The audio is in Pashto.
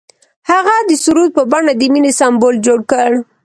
هغه د سرود په بڼه د مینې سمبول جوړ کړ.